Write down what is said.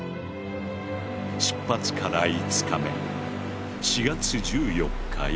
出発から５日目４月１４日夜。